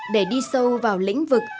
để đi sâu vào lĩnh vực